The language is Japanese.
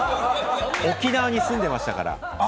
沖縄に住んでましたから。